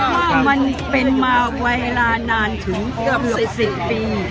เพราะว่ามันเป็นมาเวลานานถึงกับ๑๔ปี